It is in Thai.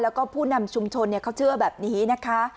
แล้วก็ผู้นำชุมชนเขาเชื่อแบบนี้นะคะ